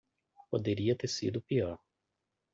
Poderia ter sido pior.